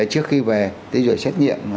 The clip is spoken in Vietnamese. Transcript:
trước khi về thì rồi xét nghiệm